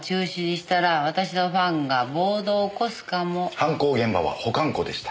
犯行現場は保管庫でした。